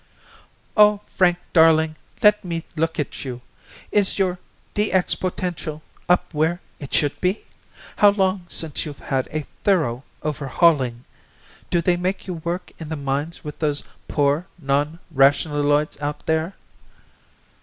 "Oh, Frank, darling, let me look at you. Is your DX potential up where it should be? How long since you've had a thorough overhauling? Do they make you work in the mines with those poor non rationaloids out there?"